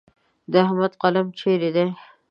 د احمد قلم چیرې دی؟